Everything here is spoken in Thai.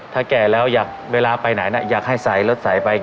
ถ้าแก่แล้วอยากเวลาไปไหนนะอยากให้ใส่รถใส่ไป